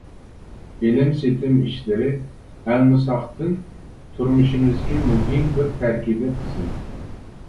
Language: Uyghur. ئېلىم-سېتىم ئىشلىرى ئەلمىساقتىن تۇرمۇشىمىزدىكى مۇھىم بىر تەركىبىي قىسىم.